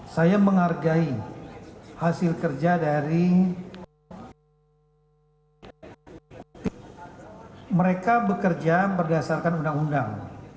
saya menghargai hasil kerja dari mereka bekerja berdasarkan undang undang